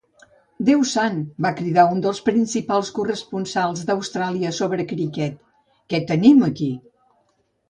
"Déu sant", va cridar un dels principals corresponsals d'Austràlia sobre cricket, "què tenim aquí?"